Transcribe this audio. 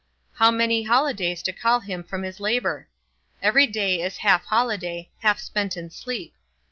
How many holidays to call him from his labour! Every day is half holiday, half spent in sleep.